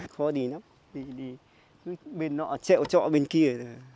khó đi lắm đi bên nọ chẹo trọ bên kia